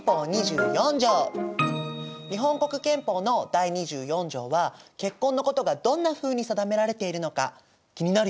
日本国憲法の第２４条は結婚のことがどんなふうに定められているのか気になるよね。